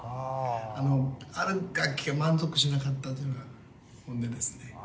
ある楽器が満足しなかったというのが本音ですね。